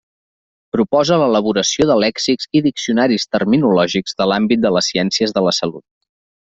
Proposa l'elaboració de lèxics i diccionaris terminològics de l'àmbit de les ciències de la salut.